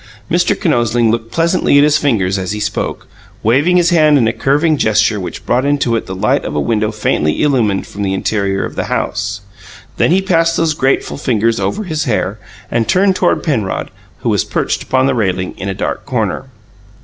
Mr. Kinosling looked pleasantly at his fingers as he spoke, waving his hand in a curving gesture which brought it into the light of a window faintly illumined from the interior of the house. Then he passed those graceful fingers over his hair, and turned toward Penrod, who was perched upon the railing in a dark corner.